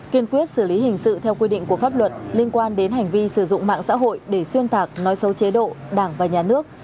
kiên quyết xử lý hình sự theo quy định của pháp luật liên quan đến hành vi sử dụng mạng xã hội để xuyên tạc nói xấu chế độ đảng và nhà nước